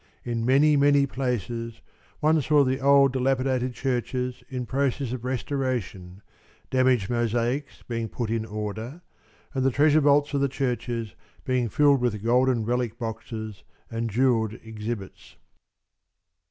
In many, many places one saw the old, dilapidated churches in process of restoration, damaged mosaics being put in order, and the treasure vaults of the churches being filled with golden relic boxes and jewelled exhibits.